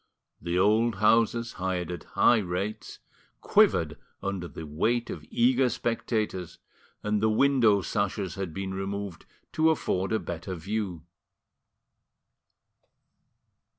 The old houses, hired at high rates, quivered under the weight of eager spectators, and the window sashes had been removed to afford a better view.